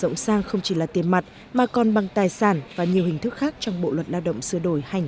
tổng sàng không chỉ là tiền mặt mà còn bằng tài sản và nhiều hình thức khác trong bộ luật lao động sửa đổi hành một mươi chín